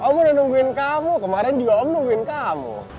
om udah nungguin kamu kemarin juga om nungguin kamu